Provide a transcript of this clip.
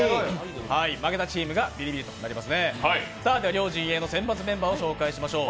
両陣営の先発メンバーを紹介しましょう。